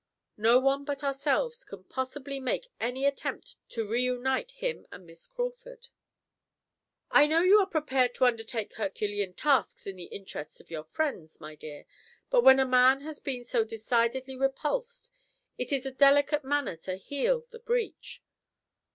No one but ourselves can possibly make any attempt to reunite him and Miss Crawford." "I know you are prepared to undertake herculean tasks in the interests of your friends, my dear, but when a man has been so decidedly repulsed, it is a delicate manner to heal the breach.